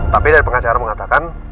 tapi dari pengacara mengatakan